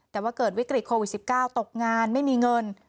แต่ว่าเกิดวิกฤตโควิด๑๙ตกงานไม่มีเงิน